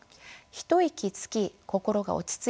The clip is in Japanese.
ひと息つき心が落ちついた